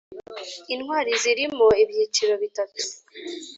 Intwali zirimo ibyiciro bitatu